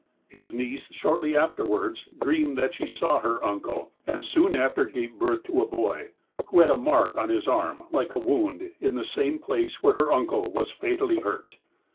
His niece shortly afterwards dreamed that she saw her uncle, and soon after gave birth to a boy, who had a mark on his arm like a wound, in the same place where her uncle was fatally hurt.